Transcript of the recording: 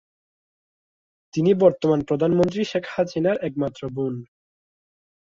তিনি বর্তমান প্রধানমন্ত্রী শেখ হাসিনার একমাত্র বোন।